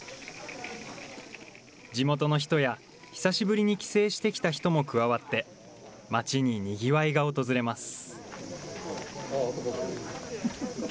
地元の人や久しぶりに帰省してきた人も加わって、町ににぎわいが訪れます。